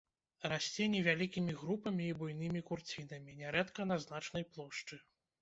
Расце невялікімі групамі і буйнымі курцінамі, нярэдка на значнай плошчы.